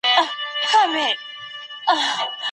ښارونه لا پخوا جوړ سوي وو.